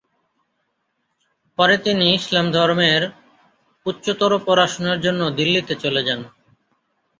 পরে তিনি ইসলাম ধর্মের উচ্চতর পড়াশোনার জন্য দিল্লিতে চলে যান।